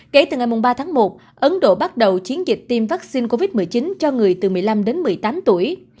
kể từ ngày ba tháng một ấn độ bắt đầu chiến dịch tiêm vaccine covid một mươi chín cho người từ một mươi năm đến một mươi tám tuổi